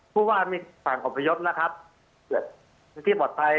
พูดว่ามีฝั่งของพยพนะครับที่ปลอดภัย